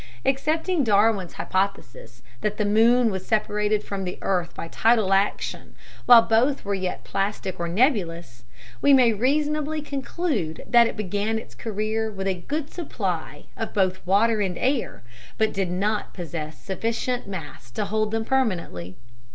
Accepting Darwin's hypothesis, that the moon was separated from the earth by tidal action while both were yet plastic or nebulous, we may reasonably conclude that it began its career with a good supply of both water and air, but did not possess sufficient mass to hold them permanently.